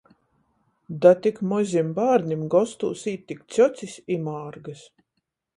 Da tik mozim bārnim gostūs īt tik cjocis i mārgys.